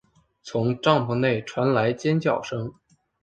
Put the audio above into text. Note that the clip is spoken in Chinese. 从帐篷内传来尖叫声